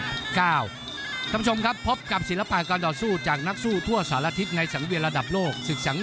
ท่านผู้ชมครับพบกับศิลปะการต่อสู้จากนักสู้ทั่วสารทิศในสังเวียนระดับโลก